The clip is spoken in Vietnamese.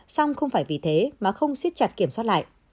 xong không phải vì thế mà không xiết chặt kiểm soát lại